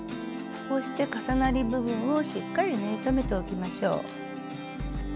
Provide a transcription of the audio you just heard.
こうして重なり部分をしっかり縫い留めておきましょう。